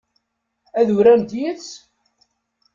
Ad urarent yid-s?